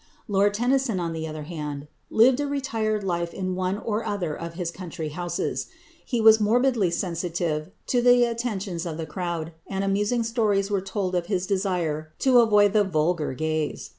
Lord Tennyson, on the other hand, lived a retired life in one or other of his country houses. He was morbidly sensitive to the attentions of the crowd, and amusing stories are told of his desire to avoid the "vulgar" gaze.